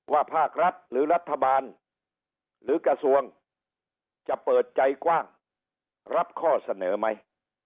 ภาครัฐหรือรัฐบาลหรือกระทรวงจะเปิดใจกว้างรับข้อเสนอไหม